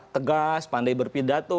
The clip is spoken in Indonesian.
tegas pandai berpidato